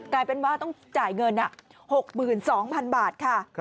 กลายเป็นว่าต้องจ่ายเงิน๖๒๐๐๐บาทค่ะ